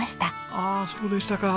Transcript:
ああそうでしたか。